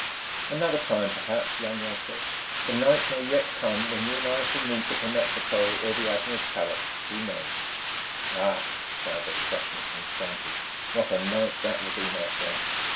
"Another time, perhaps," Lanyard said. "The night may yet come when you and I shall meet at the Metropole or the Admiral's Palace.... Who knows?" "Ah!" sighed the Prussian, enchanted. "What a night that will be, my friend!...